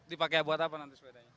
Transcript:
dipakai buat apa nanti sepedanya